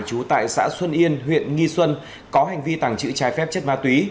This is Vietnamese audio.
trú tại xã xuân yên huyện nghi xuân có hành vi tàng trữ trái phép chất ma túy